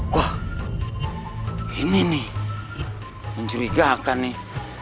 wah ini nih mencurigakan nih